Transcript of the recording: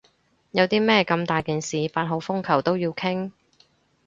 有啲咩咁大件事八號風球都要傾？